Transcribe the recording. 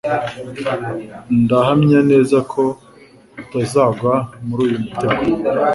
ndahamya neza ko utazagwa muri uyu mutego.